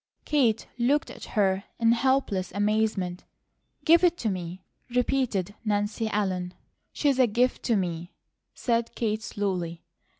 Kate looked at her in helpless amazement. "Give it to me," repeated Nancy Ellen. "She's a gift to me," said Kate, slowly.